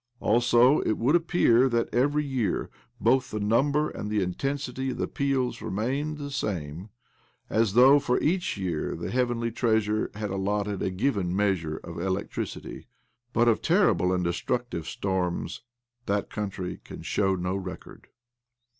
Also it would appear that, every year, both the number and the intensity of the peals remain the same— as though for each year the heavenly treasury had allotted a given measure of electricity. But of terrible and destructive storms that country can show no record.